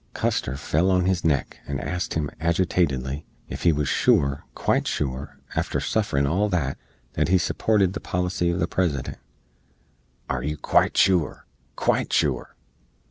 Custar fell on his neck, and asked him, aggitatidly, ef he wuz shoor quite shoor, after sufferin all that, that he supported the policy of the President? Are you quite shoor quite shoor?